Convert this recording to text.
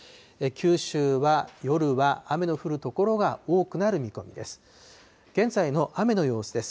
九州は夜は雨の降る所が多くなる見込みです。